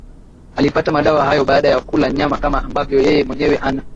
alipata madawa hayo baada ya kula nyama kama ambavyo yeye mwenyewe ana